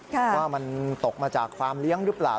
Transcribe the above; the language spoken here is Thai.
ว่ามันตกมาจากฟาร์มเลี้ยงหรือเปล่า